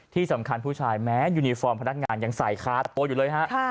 ที่สำคัญผู้ชายแม้ยูนิฟอร์มพนักงานยังใส่คาตะตัวอยู่เลยฮะ